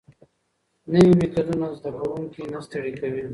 نوي میتودونه زده کوونکي نه ستړي کوي.